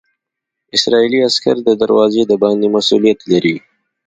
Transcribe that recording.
اسرائیلي عسکر د دروازې د باندې مسوولیت لري.